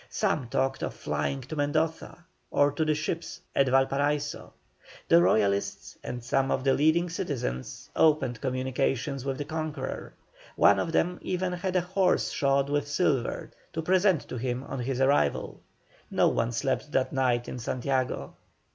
Some talked of flying to Mendoza, or to the ships at Valparaiso. The Royalists and some of the leading citizens opened communications with the conqueror. One of them even had a horse shod with silver to present to him on his arrival. No one slept that night in Santiago.